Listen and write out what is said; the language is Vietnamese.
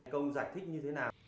câu giải thích như thế nào